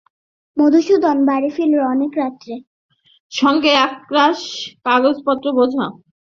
মধুসূদন বাড়ি ফিরল অনেক রাত্রে, সঙ্গে একরাশ কাগজপত্রের বোঝা।